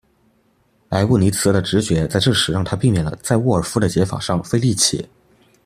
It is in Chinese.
莱布尼兹的直觉在这时让他避免了在沃尔夫的解法上费力气。